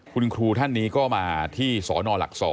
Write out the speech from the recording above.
คุณครูท่านนี้ก็มาที่สนหลัก๒